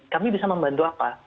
kami bisa membantu apa